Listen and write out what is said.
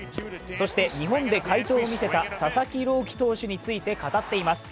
そして日本で快投を見せた佐々木朗希選手について語っています。